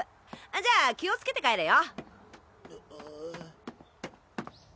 じゃあ気をつけて帰れよ。